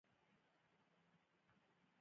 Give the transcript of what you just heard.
کار مې د بل خوښ خوراک مې خپل د ځان غوښتنې خوی ښيي